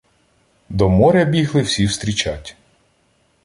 До моря бігли всі встрічать.